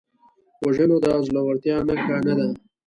وژنه د زړورتیا نښه نه ده